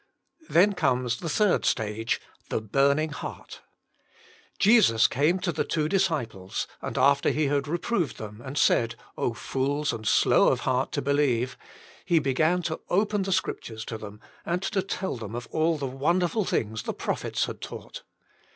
Then comes the third stage — tTbe burnlnd beatt* Jesus came to the two disciples, and after He had reproved them and said: *<OhI fools, and slow of heart to be lieve," He began to open the Scriptures to them^ and to tell them of all the Jesus Himself , 13 wonderful things the prophets had taught.